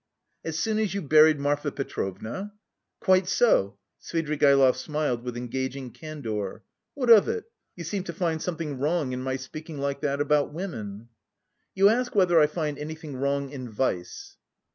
"As soon as you buried Marfa Petrovna?" "Quite so," Svidrigaïlov smiled with engaging candour. "What of it? You seem to find something wrong in my speaking like that about women?" "You ask whether I find anything wrong in vice?"